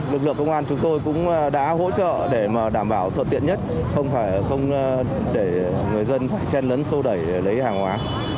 lực lượng công an chúng tôi cũng đã hỗ trợ để đảm bảo thuận tiện nhất không để người dân phải chen lấn sâu đẩy để lấy hàng hóa